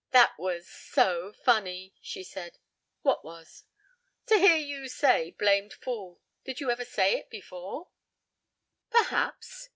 "That was so funny," she said. "What was?" "To hear you say blamed fool. Did you ever say it before?" "Perhaps."